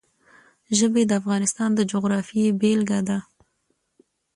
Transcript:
ژبې د افغانستان د جغرافیې بېلګه ده.